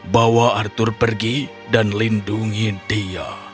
bawa arthur pergi dan lindungi dia